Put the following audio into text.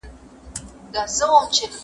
الله هم خوشحاليږي.